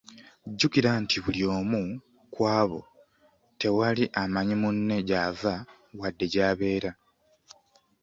Jjukira nti buli omu ku abo tewali amanyi munne gy’ava wadde gy’abeera.